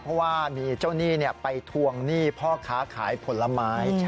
เพราะว่ามีเจ้าหนี้ไปทวงหนี้พ่อค้าขายผลไม้